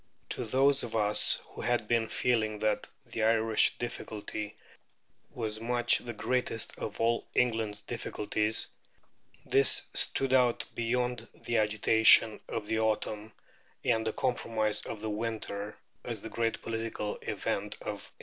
To those of us who had been feeling that the Irish difficulty was much the greatest of all England's difficulties, this stood out beyond the agitation of the autumn and the compromise of the winter as the great political event of 1884.